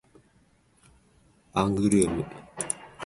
シャラント県の県都はアングレームである